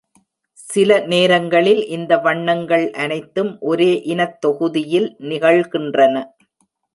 சில நேரங்களில் இந்த வண்ணங்கள் அனைத்தும் ஒரே இனத்தொகுதியில் நிகழ்கின்றன.